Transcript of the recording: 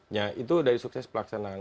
nah itu dari sukses pelaksanaan